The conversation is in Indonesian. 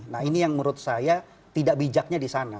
nah ini yang menurut saya tidak bijaknya di sana